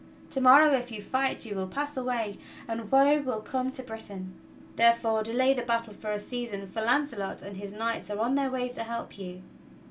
To morrow if you fight you will pass away and woe will come to Britain. Therefore delay the battle for a season, for Launcelot and his knights are on their way to help you."